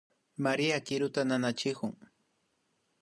María kiruta nanachikun